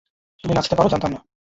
তুমি নাচতে পারো জানতাম না।